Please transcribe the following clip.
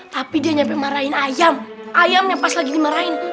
tapi dia nyampe marahin ayam ayam yang pas lagi dimarahin